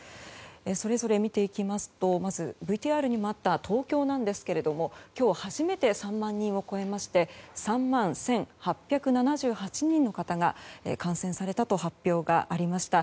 それぞれ見ていきますとまずＶＴＲにもあった東京なんですけれども今日初めて３万人を超えまして３万１８７８人の方が感染されたと発表がありました。